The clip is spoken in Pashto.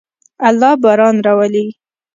الله باران راولي.